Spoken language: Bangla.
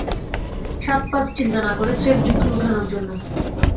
সাত-পাঁচ চিন্তা না করে, স্রেফ ঝুঁকি ওঠানোর জন্য।